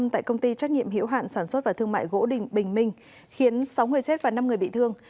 tại công ty trách nhiệm hiểu hạn sản xuất và thương mại gỗ bình minh khiến sáu người chết và năm người bị thương